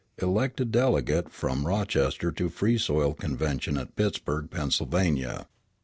Elected delegate from Rochester to Free Soil convention at Pittsburg, Pennsylvania.